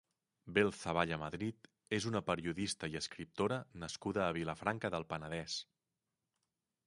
Bel Zaballa Madrid és una periodista i escriptora nascuda a Vilafranca del Penedès.